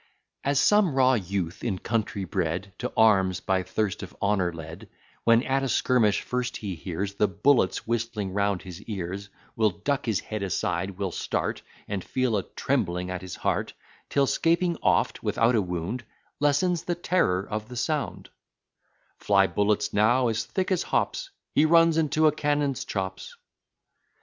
As some raw youth in country bred, To arms by thirst of honour led, When at a skirmish first he hears The bullets whistling round his ears, Will duck his head aside, will start, And feel a trembling at his heart, Till 'scaping oft without a wound Lessens the terror of the sound; Fly bullets now as thick as hops, He runs into a cannon's chops.